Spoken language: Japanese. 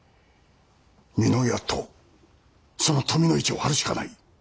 美濃屋とその富の市を張るしかない。